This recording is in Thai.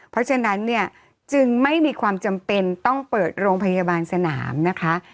เพราะฉะนั้นเนี่ยจึงไม่มีความจำเป็นต้องเปิดโรงพยาบาลสนามนะคะ